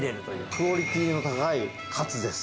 クオリティーの高いカツです。